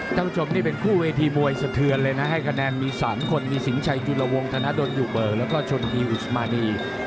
ต้องจบนี่เป็นคู่เวทีมวยสะเทือนเลยนะให้คะแนนมีสามคนมีสิงห์ชัยจุลวงศ์ธนาดนอยู่เบอร์แล้วก็ชนทีอุสมานี